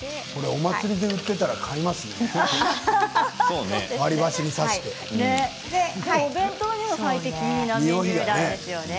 お祭りで売っていたら買いますね。